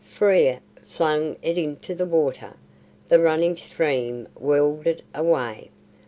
Frere flung it into the water. The running stream whirled it away.